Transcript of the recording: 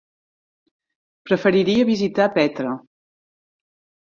Preferiria visitar Petra.